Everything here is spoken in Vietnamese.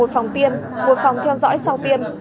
một phòng tiêm một phòng theo dõi sau tiêm